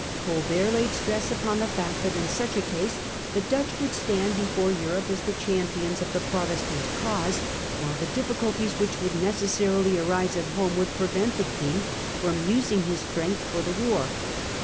Colbert laid stress upon the fact that in such a case the Dutch would stand before Europe as the champions of the Protestant cause, while the difficulties which would necessarily arise at home would prevent the King from using his strength for the war.